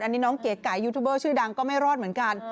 อันนี้น้องเก๋ไก่ยูทูบเบอร์ชื่อดังก็ไม่รอดเหมือนกัน